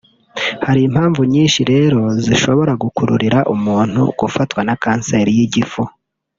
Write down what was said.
Hari impamvu nyinshi rero zishobora gukururira umuntu gufatwa na kanseri y’igifu